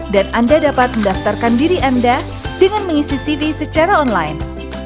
dan anda dapat mendaftarkan diri anda dengan mengisi cv secara online